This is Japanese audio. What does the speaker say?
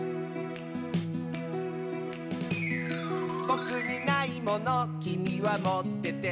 「ぼくにないものきみはもってて」